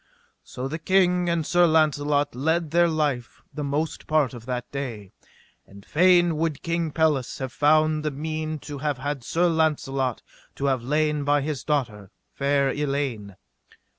So the king and Sir Launcelot led their life the most part of that day. And fain would King Pelles have found the mean to have had Sir Launcelot to have lain by his daughter, fair Elaine.